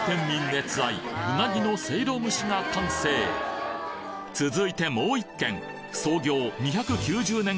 熱愛うなぎのせいろ蒸しが完成続いてもう１軒創業２９０年